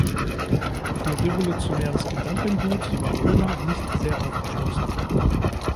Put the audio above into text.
Für revolutionäres Gedankengut war Rona nicht sehr aufgeschlossen.